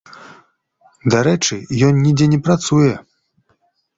Дарэчы, ён нідзе не працуе.